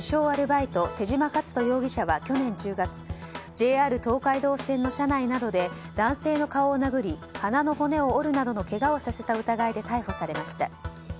アルバイト手島克人容疑者は去年１０月ＪＲ東海道線の車内などで男性の顔を殴り鼻の骨を折るなどのけがをさせた疑いで逮捕されました。